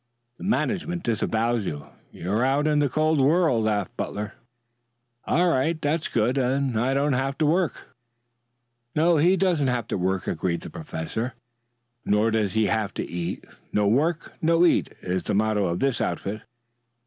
"The management disowns you. You're out in the cold world," laughed Butler. "All right. That's good. Then I don't have to work." "No, he doesn't have to work," agreed the professor. "Nor does he have to eat. No work, no eat, is the motto of this outfit."